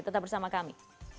tetap bersama kami